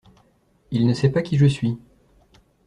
Il ne sait pas qui je suis.